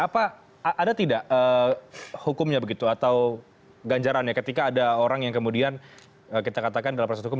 apa ada tidak hukumnya begitu atau ganjarannya ketika ada orang yang kemudian kita katakan dalam proses hukum